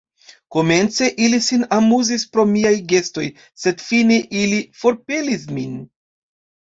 Komence ili sin amuzis pro miaj gestoj, sed fine ili forpelis min.